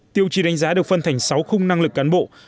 tiêu chí đánh giá được phân thành sáu khung năng lực cán bộ